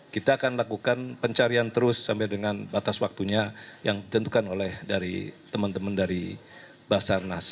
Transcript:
kita akan lakukan pencarian terus sampai dengan batas waktunya yang ditentukan oleh dari teman teman dari basarnas